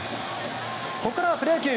ここからはプロ野球。